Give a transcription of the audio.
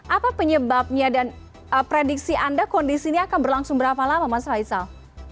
apa penyebabnya dan prediksi anda kondisi ini akan berlangsung berapa lama mas faisal